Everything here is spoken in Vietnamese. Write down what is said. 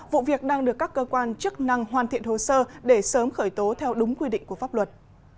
vụ việc đang được các cơ quan chức năng hoàn thiện hồ sơ để sớm khởi tố theo đúng quy định của pháp luật